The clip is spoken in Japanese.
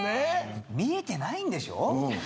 見えてないんでしょ？